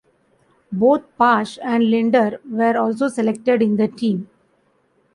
Both Pash and Lindner were also selected in the team.